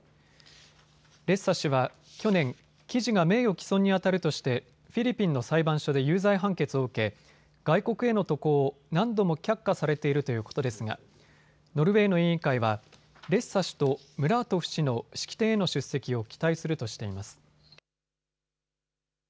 レッサ氏は去年、記事が名誉棄損にあたるとしてフィリピンの裁判所で有罪判決を受け外国への渡航を何度も却下されているということですがノルウェーの委員会はレッサ氏とムラートフ氏の式典への出席を期待するとしています。